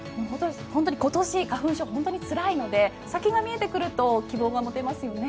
本当に今年、花粉症つらいので先が見えてくると希望が持てますよね。